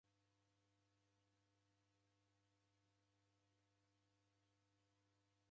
Msake vikunda vilambo va w'urumwengunyi